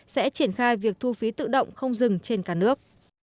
sẽ triển khai việc thu phí tự động không dừng trên cả nước